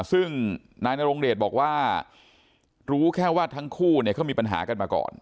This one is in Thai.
ซึ่งนายนรงเดชบอกว่ารู้แค่ว่าทั้งคู่เนี่ยเขามีปัญหากันมาก่อน